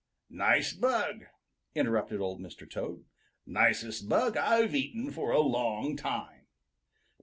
"Nice bug," interrupted Old Mr. Toad. "Nicest bug I've eaten for a longtime."